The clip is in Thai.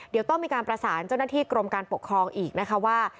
เดี๋ยวต้องมีการประสานเจ้าหน้าที่กรมการปกครองอีกนะคะว่า